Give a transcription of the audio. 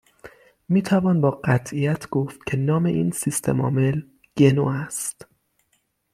میتوان با قطعیت گفت که نام این سیستمعامل «گنو» است